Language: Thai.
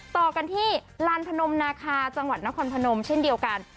ต่อกันที่ลานพนมนาคาจังหวัดนครพนมเช่นเดียวกัน